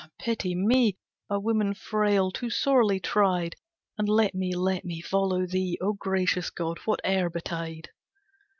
pity me, A woman frail, too sorely tried! And let me, let me follow thee, O gracious god, whate'er betide.